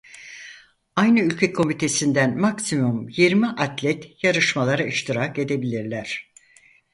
Aynı ülke komitesinden maksimum yirmi atlet yarışmalara iştirak edebilirler.